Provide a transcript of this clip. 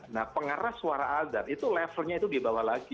nah pengarah suara adan itu levelnya dibawah lagi